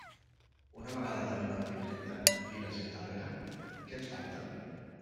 I una vegada tenim el projecte i la gent darrere, ¿què ens falta?